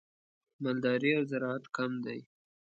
مالداري او زراعت کم دي.